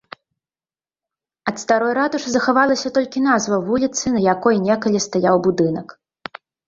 Ад старой ратушы захавалася толькі назва вуліцы, на якой некалі стаяў будынак.